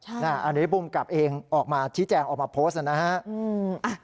อันนี้ปุ่มกลับเองชี้แจงออกมาโพสต์นะฮะ